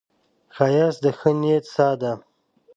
ښایست د ښې نیت ساه ده